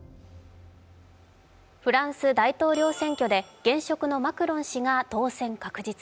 フランス大統領選挙で、現職のマクロン氏が当選確実。